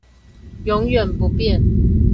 永遠不變